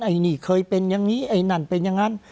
ไอ้นี่เคยเป็นอย่างนี้ไอ้นั่นเป็นอย่างนั้น